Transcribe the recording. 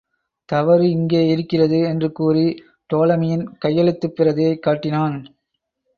தவறு இங்கே இருக்கிறது! என்று கூறி டோலமியின் கையெழுத்துப் பிரதியைக் காட்டினான்.